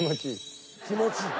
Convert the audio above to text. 気持ちいい？